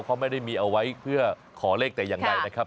เขาไม่ได้มีเอาไว้เพื่อขอเลขแต่อย่างใดนะครับ